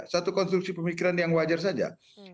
satu konstruksi pemikiran yang wajar saja